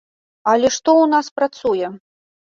Але што ў нас працуе?